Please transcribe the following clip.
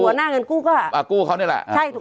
หน้าเงินกู้ก็อ่ากู้เขานี่แหละใช่ถูกไหม